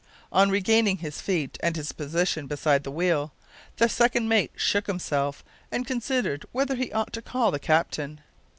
On regaining his feet, and his position beside the wheel, the second mate shook himself and considered whether he ought to call the captain.